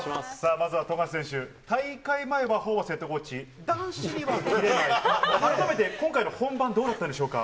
まずは富樫選手、大会前はホーバスヘッドコーチ、男子には、改めて今回の本番、どうだったんでしょうか。